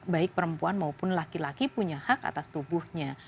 baik perempuan maupun laki laki punya hak atas tubuhnya